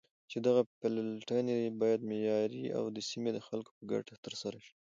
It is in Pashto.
چې دغه پلټنې بايد معياري او د سيمې د خلكو په گټه ترسره شي.